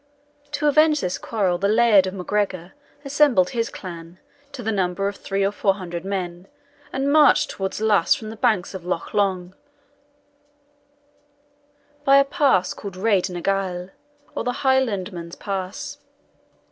To avenge this quarrel, the Laird of MacGregor assembled his clan, to the number of three or four hundred men, and marched towards Luss from the banks of Loch Long, by a pass called Raid na Gael, or the Highlandman's Pass.